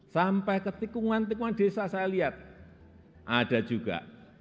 sampai ke tikungan tikungan desa saya lihat ada juga